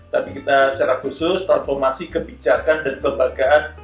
tapi kita secara khusus transformasi kebijakan dan kelembagaan